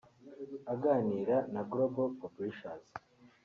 Aganira na Global Publishers